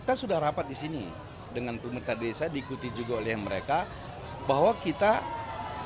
kita sudah rapat di sini dengan pemerintah desa diikuti juga oleh mereka bahwa kita bisa mencari kuburan masal